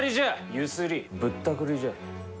ゆすりぶったくりじゃ。